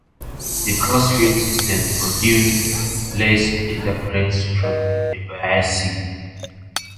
The cross-field system produced less interference from the bias signal.